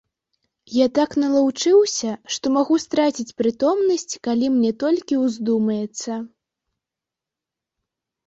Я так налаўчыўся, што магу страціць прытомнасць, калі мне толькі ўздумаецца.